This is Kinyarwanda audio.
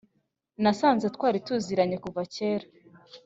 nasanze twari tuziranye kuva kera